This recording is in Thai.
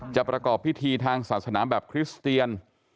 ประกอบพิธีทางศาสนาแบบคริสเตียน